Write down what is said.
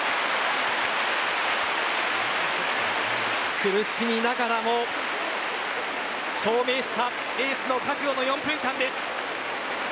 苦しみながらも、証明したエースの覚悟の４分間です。